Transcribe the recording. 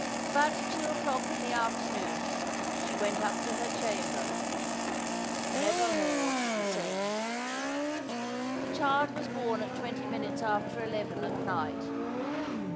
About two o'clock in the afternoon, she went up to her chamber, never more to descend. The child was born at twenty minutes after eleven at night.